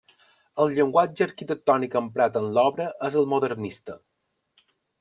El llenguatge arquitectònic emprat en l'obra és el modernista.